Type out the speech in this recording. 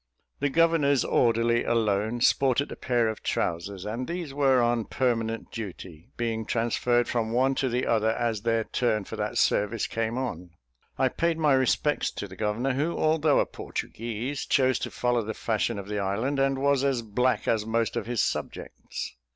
The governor's orderly alone sported a pair of trousers, and these were on permanent duty, being transferred from one to the other as their turn for that service came on. I paid my respects to the governor, who, although a Portuguese, chose to follow the fashion of the island, and was as black as most of his subjects.